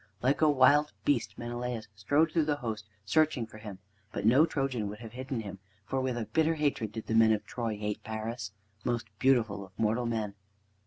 Like a wild beast Menelaus strode through the host, searching for him. But no Trojan would have hidden him, for with a bitter hatred did the men of Troy hate Paris, most beautiful of mortal men.